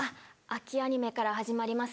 秋アニメから始まります